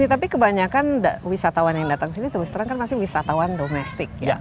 tapi kebanyakan wisatawan yang datang sini terus terang kan masih wisatawan domestik ya